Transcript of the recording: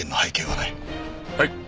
はい。